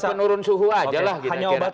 obat penurun suhu aja lah kita kira